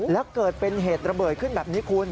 และเกิดเป็นเหตุระเบิดขึ้นแบบนี้คุณ